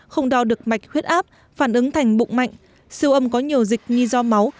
không đo được mạch huyết áp phản ứng thành bụng mạnh siêu âm có nhiều dịch nghi do máu